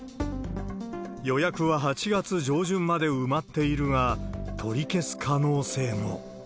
予約は８月上旬まで埋まっているが、取り消す可能性も。